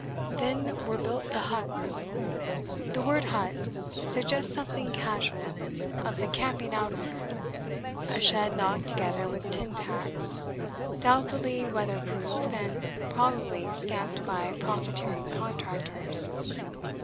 Then were built "the huts." The word "hut" suggests something casual, of the camping out order: a shed knocked together with tin tacks, doubtfully weather proof and probably scamped by profiteering contractors.